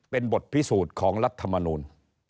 เป็นบทพิสูจน์ของรัฐมนูล